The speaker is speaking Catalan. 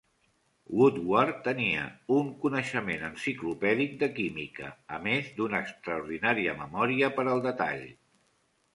Woodward tenia un coneixement enciclopèdic de química, a més d"una extraordinària memòria per al detall.